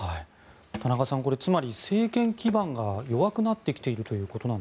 田中さん、これつまり政権基盤が弱くなってきている